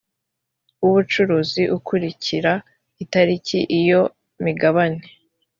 w ubucuruzi ukurikira itariki iyo migabane